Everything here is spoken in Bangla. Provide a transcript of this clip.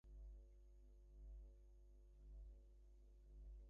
সর্বপ্রথমে জগতে পবিত্র চিন্তার একটি স্রোত প্রবাহিত করিয়া দাও।